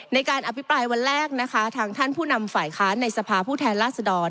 ในการอภิปรายวันแรกนะคะทางท่านผู้นำฝ่ายค้านในสภาผู้แทนราษฎร